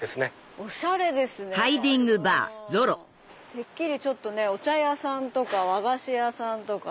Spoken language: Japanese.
てっきりお茶屋さんとか和菓子屋さんとか。